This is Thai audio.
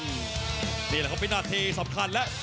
นี่แหละความผิดหน้าที่สำคัญและ